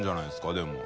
でも。